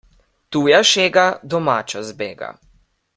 Tuja šega domačo zbega.